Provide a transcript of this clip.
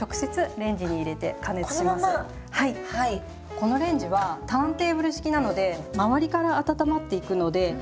このレンジはターンテーブル式なので周りから温まっていくので。